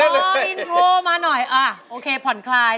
อินโทรมาหน่อยโอเคผ่อนคลาย